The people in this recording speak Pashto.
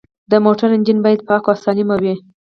د موټر انجن باید پاک او سالم وي.